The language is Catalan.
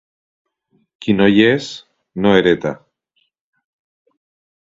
Qui no hi és, no hereta.